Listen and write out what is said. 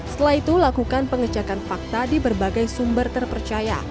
setelah itu lakukan pengecekan fakta di berbagai sumber terpercaya